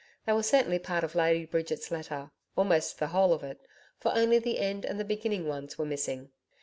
They were certainly part of Lady Bridget's letter almost the whole of it, for only the end and the beginning ones were missing.